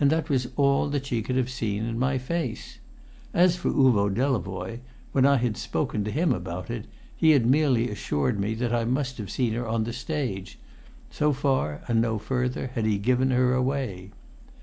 And that was all that she could have seen in my face. As for Uvo Delavoye, when I had spoken to him about it, he had merely assured me that I must have seen her on the stage: so far and no further had he given her away.